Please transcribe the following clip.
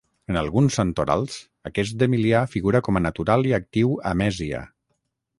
En alguns santorals, aquest Emilià figura com a natural i actiu a Mèsia.